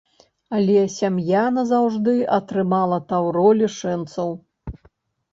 Але сям'я назаўжды атрымала таўро лішэнцаў.